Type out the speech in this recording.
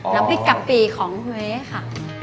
น้ำพริกกะปิของเฮ้ค่ะ